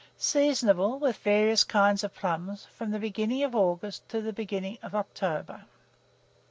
Seasonable, with various kinds of plums, from the beginning of August to the beginning of October.